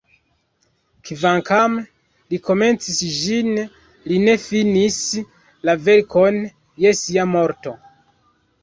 Kvankam Li komencis ĝin, Li ne finis la verkon je Sia morto.